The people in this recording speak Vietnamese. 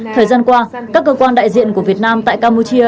thời gian qua các cơ quan đại diện của việt nam tại campuchia